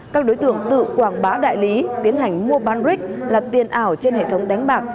các đối tượng tự quảng bá đại lý tiến hành mua bán rick là tiền ảo trên hệ thống đánh bạc